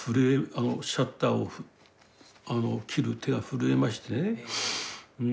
あのシャッターを切る手が震えましてね。